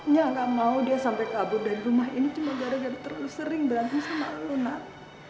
nya gak mau dia sampai kabur dari rumah ini cuma gara gara terlalu sering berantem sama lo nad